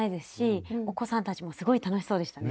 お子さんたちもすごい楽しそうでしたね。